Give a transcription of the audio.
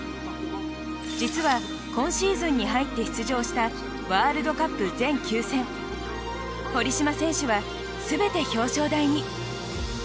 実は今シーズンに入って出場したワールドカップ全９戦堀島選手は全て表彰台に。